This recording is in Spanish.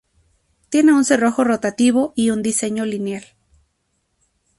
Tiene un cerrojo rotativo y un diseño lineal.